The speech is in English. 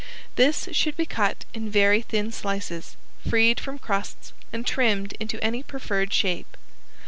This should be cut in very thin slices, freed from crusts and trimmed into any preferred shape.